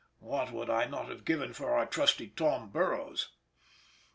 What would I not have given for our trusty Tom Burroughs.